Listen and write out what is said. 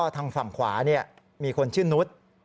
ทางฝั่งขวามีคนชื่อนุษย์